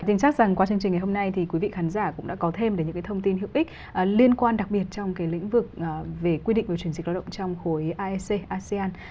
chính xác rằng qua chương trình ngày hôm nay thì quý vị khán giả cũng đã có thêm được những cái thông tin hữu ích liên quan đặc biệt trong cái lĩnh vực về quy định về chuyển dịch lao động trong khối asean